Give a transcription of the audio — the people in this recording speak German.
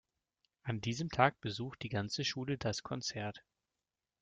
An diesem Tag besucht die ganze Schule das Konzert.